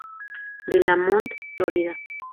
De Lamont, Florida.